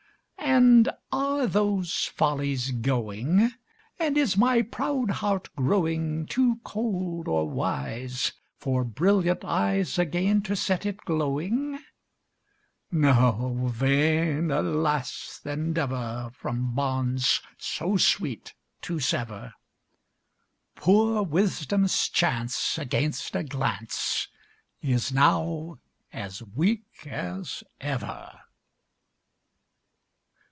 And are those follies going? And is my proud heart growing Too cold or wise For brilliant eyes Again to set it glowing? No, vain, alas! the endeavor From bonds so sweet to sever; Poor Wisdom's chance Against a glance Is now as weak as ever.